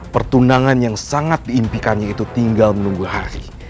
pertundangan yang sangat diimpikannya itu tinggal menunggu hari